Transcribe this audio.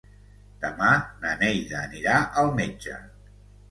Demà na Neida anirà al metge.